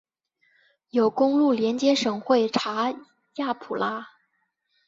有公路连接省会查亚普拉。